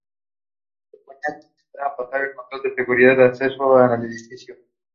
Se disponían a intentar pasar el control de seguridad que da acceso al edificio.